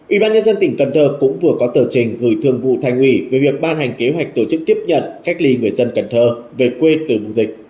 ủy ban nhân dân tỉnh cần thơ cũng vừa có tờ trình người thường vụ thanh quỷ về việc ban hành kế hoạch tổ chức tiếp nhận cách ly người dân cần thơ về quê từ mục dịch